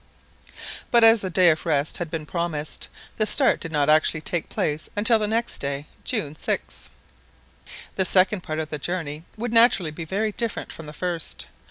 But as a day of rest had been promised, the start did not actually take place until the next day, June 6th. The second part of the journey would naturally be very different from the first.